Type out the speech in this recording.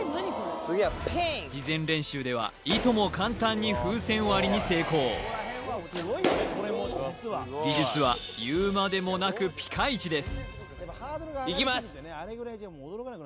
次はピンク事前練習ではいとも簡単に風船割りに成功技術は言うまでもなくピカイチです